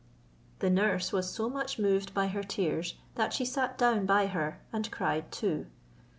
The nurse was so much moved by her tears, that she sat down by her, and cried too.